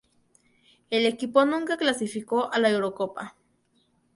El equipo nunca clasificó a la Eurocopa.